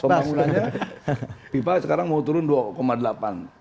pembangunannya fifa sekarang mau turun dua delapan